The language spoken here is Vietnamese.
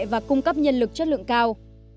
và cung cấp nhân lực chất lượng cao